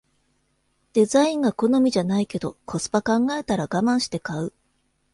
デザインが好みじゃないけどコスパ考えたらガマンして買う